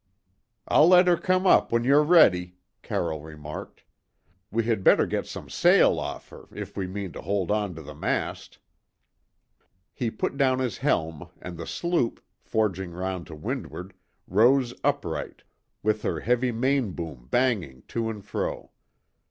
"I'll let her come up when you're ready," Carroll remarked. "We had better get some sail off her, if we mean to hold on to the mast." He put down his helm, and the sloop, forging round to windward, rose upright, with her heavy mainboom banging to and fro.